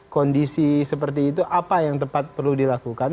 kondisi seperti itu apa yang tepat perlu dilakukan